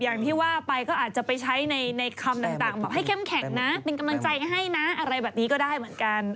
อย่างที่ว่าไปก็อาจจะไปใช้ในคำต่างแบบให้เข้มแข็งนะเป็นกำลังใจให้นะอะไรแบบนี้ก็ได้เหมือนกัน